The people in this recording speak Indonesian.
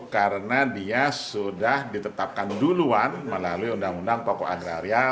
karena dia sudah ditetapkan duluan melalui undang undang pokok agraria